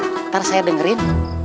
nanti saya dengerin